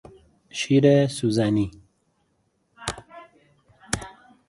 شیر سوزنی